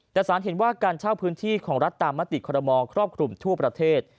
แต่สารเห็นว่าการเช่าพื้นที่ของรัฐตามมติคอรมอครอบคลุมทั่วประเทศ